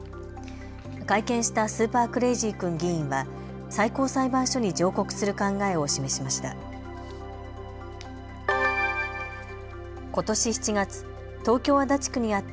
会見したスーパークレイジー君議員は最高裁判所に上告する考えを示しました。